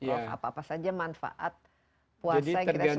kalau apa apa saja manfaat puasa yang kita sebut intermittent fasting